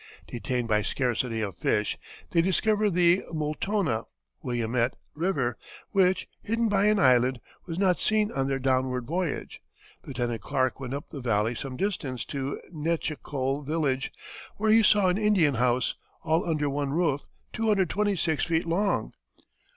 Detained by scarcity of fish, they discovered the Multonah (Willamette) River which, hidden by an island, was not seen on their downward voyage. Lieutenant Clark went up the valley some distance to Nechecole village, where he saw an Indian house, all under one roof, 226 feet long.